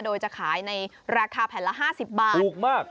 โดยจะขายในราคาแผ่นละ๕๐บาทถูกมาก